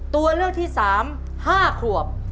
ตัวเลือกที่สาม๕ควบ